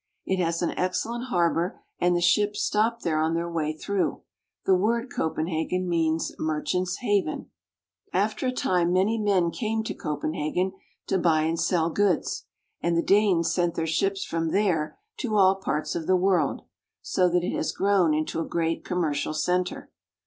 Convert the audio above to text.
It has an excellent harbor, and the ships stopped there on their way through. The w^ord " Copen hagen " means "Merchant's Haven." After a time many men came to Copenhagen to buy and sell goods, and the Danes sent their ships from there to all parts of the world, so that it has grown into a great commercial center.